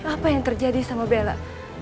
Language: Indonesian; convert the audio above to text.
apa yang terjadi sama bella